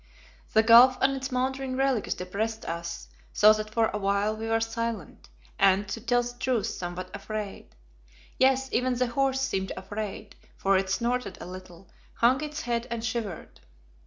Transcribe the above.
The gulf and its mouldering relics depressed us, so that for awhile we were silent, and, to tell the truth, somewhat afraid. Yes, even the horse seemed afraid, for it snorted a little, hung its head and shivered.